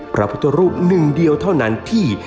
พระพุทธรูปหนึ่งเดียวเท่านั้นที่